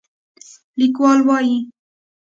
لیکوالان وايي